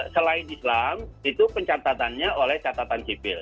selain islam itu pencatatannya oleh catatan sipil